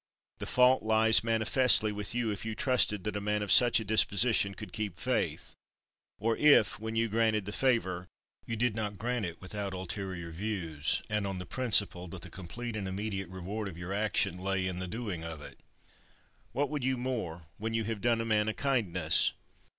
The fault lies manifestly with you, if you trusted that a man of such a disposition could keep faith; or if, when you granted the favour, you did not grant it without ulterior views, and on the principle that the complete and immediate reward of your action lay in the doing of it. What would you more, when you have done a man a kindness?